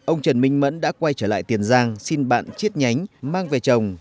ông trần minh mẫn đã quay trở lại tiền giang xin bạn chiết nhánh mang về chồng